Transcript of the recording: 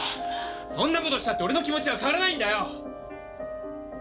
そんな事したって俺の気持ちは変わらないんだよ！